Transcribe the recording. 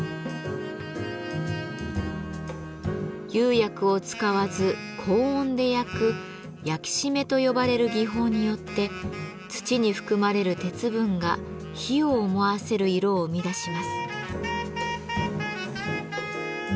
釉薬を使わず高温で焼く「焼締め」と呼ばれる技法によって土に含まれる鉄分が火を思わせる色を生み出します。